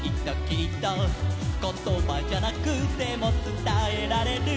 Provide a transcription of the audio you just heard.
「ことばじゃなくてもつたえられる」